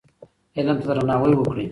علم ته درناوی وکړئ.